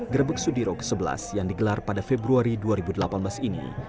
grebek sudiro ke sebelas yang digelar pada februari dua ribu delapan belas ini